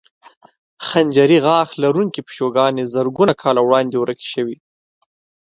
خنجري غاښ لرونکې پیشوګانې زرګونو کاله وړاندې ورکې شوې.